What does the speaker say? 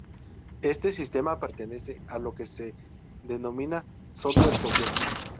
Este sistema pertenece a lo que se denomina Software social.